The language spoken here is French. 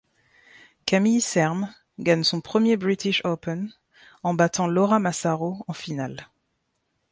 Camille Serme gagne son premier British Open, en battant Laura Massaro en finale.